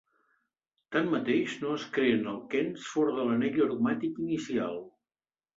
Tanmateix no es creen alquens fora de l'anell aromàtic inicial.